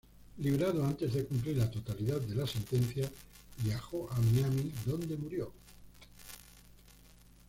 Liberado antes de cumplir la totalidad de la sentencia viajó a Miami donde murió.